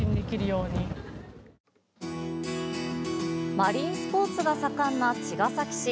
マリンスポーツが盛んな茅ヶ崎市。